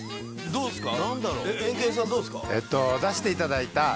どうですか？